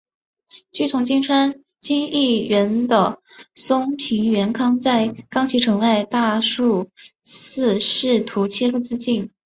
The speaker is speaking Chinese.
臣从今川义元的松平元康在冈崎城外大树寺试图切腹自尽。